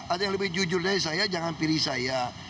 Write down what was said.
ada yang lebih jujur dari saya jangan pilih saya